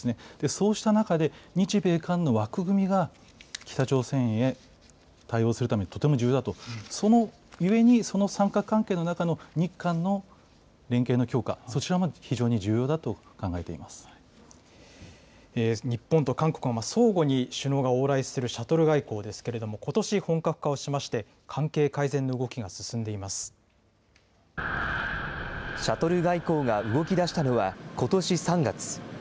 そうした中で、日米韓の枠組みが北朝鮮へ対応するためにとても重要だと、ゆえに、その三角関係の中での日韓の連携の強化、そちらのほうも非常に重日本と韓国の首脳が往来するシャトル外交ですけれども、ことし本格化をしまして、関係改善のシャトル外交が動きだしたのはことし３月。